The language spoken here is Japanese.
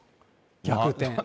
逆転。